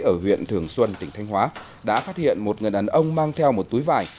ở huyện thường xuân tỉnh thanh hóa đã phát hiện một người đàn ông mang theo một túi vải